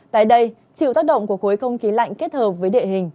tại đây chịu tác động của khối không khí lạnh kết hợp với địa hình